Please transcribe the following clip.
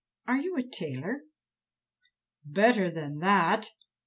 Are you a tailor?" "Better than that."